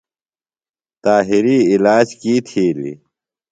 طاہری علاج کی تِھیلیۡ؟